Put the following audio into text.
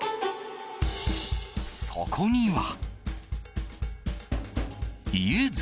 そこには。